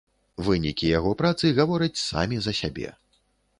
Вынікі яго працы гавораць самі за сябе.